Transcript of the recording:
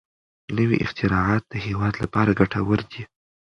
نوي اختراعات د هېواد لپاره ګټور دي.